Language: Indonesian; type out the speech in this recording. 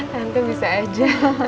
nanti bisa aja